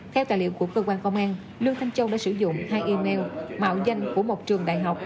theo tài liệu của cơ quan công an lương thanh châu đã sử dụng hai email mạo danh của một trường đại học